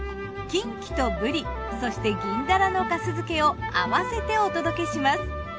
キンキとブリそして銀だらの粕漬けを合わせてお届けします。